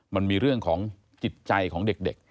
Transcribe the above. มันมีเรื่องของจิตใจของเด็ก